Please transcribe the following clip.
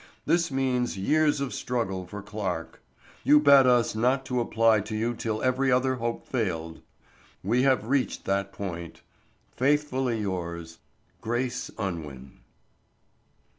This means years of struggle for Clarke. You bade us not to apply to you till every other hope failed. We have reached that point. Faithfully yours, GRACE UNWIN.